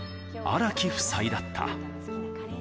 荒木夫妻だった。